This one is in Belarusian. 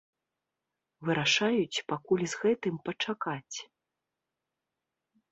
Вырашаюць пакуль з гэтым пачакаць.